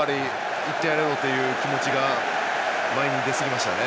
行ってやろうという気持ちが前に出すぎましたね。